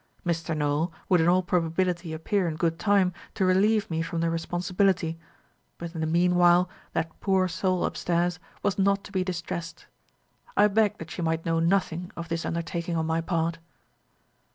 Mr. Nowell would in all probability appear in good time to relieve me from the responsibility, but in the mean while that poor soul upstairs was not to be distressed. I begged that she might know nothing of this undertaking on my part.